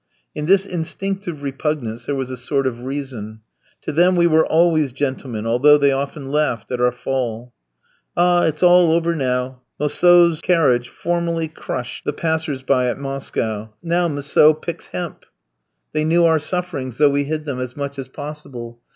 In this instinctive repugnance there was a sort of reason. To them we were always gentlemen, although they often laughed at our fall. "Ah! it's all over now. Mossieu's carriage formerly crushed the passers by at Moscow. Now Mossieu picks hemp!" They knew our sufferings, though we hid them as much as possible.